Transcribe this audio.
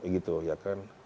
gitu ya kan